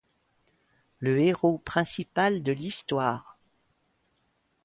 Le héros principal de l'histoire.